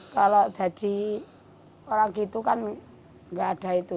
kalau jadi orang gitu kan nggak ada itu